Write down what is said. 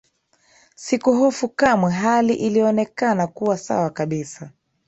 Sikuhofu kamwe Hali ilionekana kuwa sawa kabisa